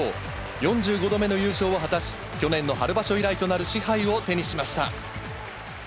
４５度目の優勝を果たし、去年の春場所以来となる賜杯を手にしました。